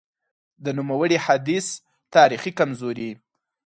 د نوموړي حدیث تاریخي کمزوري :